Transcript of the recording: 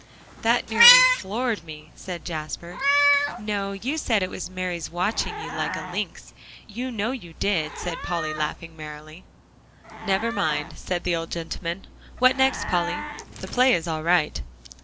"That nearly floored me," said Jasper. "No; you said it was Mary's watching you like a lynx you know you did," said Polly, laughing merrily. "Never mind," said the old gentleman. "What next, Polly? The play is all right."